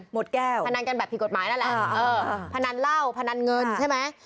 แก้วพนันกันแบบผิดกฎหมายนั่นแหละเออพนันเหล้าพนันเงินใช่ไหม